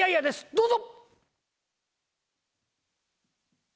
どうぞ！